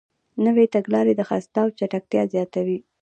نوې تګلارې د خرڅلاو چټکتیا زیاتوي.